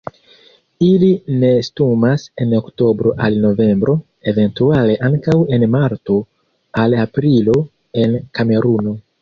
Ili nestumas en oktobro al novembro, eventuale ankaŭ en marto al aprilo en Kameruno.